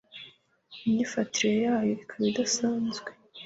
imyifatire yayo ikaba idasanzwe